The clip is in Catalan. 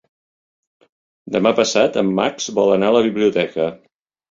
Demà passat en Max vol anar a la biblioteca.